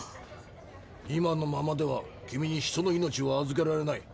今のままでは君に人の命は預けられない。